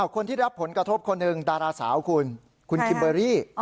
คนที่รับผลกระทบคนหนึ่งดาราสาวคุณคุณคิมเบอรี่